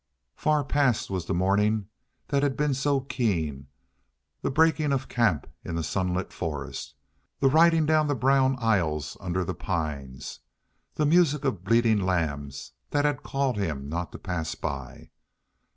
Far past was the morning that had been so keen, the breaking of camp in the sunlit forest, the riding down the brown aisles under the pines, the music of bleating lambs that had called him not to pass by.